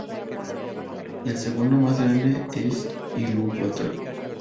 El segundo más grande es "Ilúvatar".